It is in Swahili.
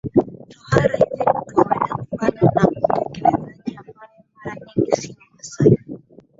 Tohara hizi ni kawaida kufanywa na mtekelezaji ambaye mara nyingi si Mmasai